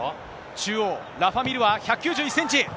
中央、ラファ・ミールは１９１センチ。